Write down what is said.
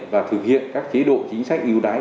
và thực hiện các chế độ chính sách ưu đái